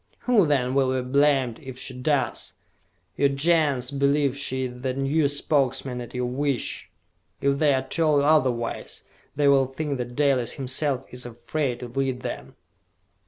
"Who, then, will be blamed if she does? Your Gens believe she is their new Spokesman at your wish! If they are told otherwise, they will think that Dalis himself is afraid to lead them!"